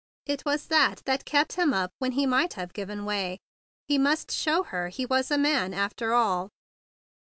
It was that that kept him up when he might have given way. He must show her he was a man, after all.